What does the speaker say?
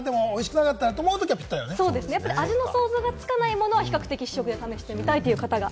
味の想像がつかないものは試食してみたいということが。